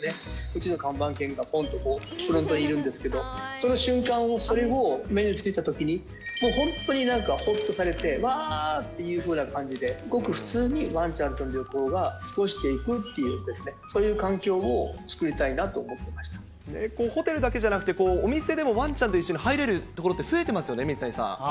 うちの看板犬が、ぽんと、フロントにいるんですけれども、その瞬間をそれを目つけたときに、本当になんかほっとされて、わーっていうふうな感じで、ごく普通にワンちゃんとの旅行が過ごせていくという、そういう環ホテルだけじゃなくて、お店でもワンちゃんと一緒に入れる所って増えてますよね、水谷さ